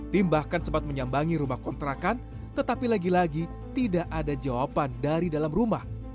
tim bahkan sempat menyambangi rumah kontrakan tetapi lagi lagi tidak ada jawaban dari dalam rumah